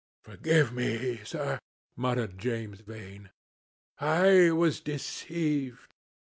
"Forgive me, sir," muttered James Vane. "I was deceived.